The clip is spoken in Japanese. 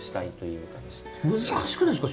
難しくないですか？